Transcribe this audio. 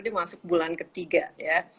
jadi masuk bulan ketiga ya